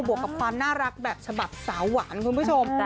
วกกับความน่ารักแบบฉบับสาวหวานคุณผู้ชม